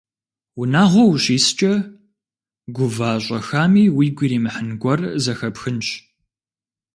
Унагъуэ ущискӏэ, гува щӏэхами уигу иримыхьын гуэр зэхэпхынщ.